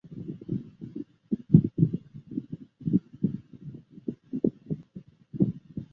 作品由七个诗节和一个采用普通押韵格式的段落组成。